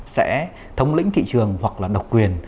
sẽ thống lĩnh thị trường hoặc là độc quyền